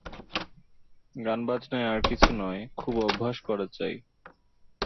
গানবাজনায় আর কিছু নয়, খুব অভ্যাস করা চাই।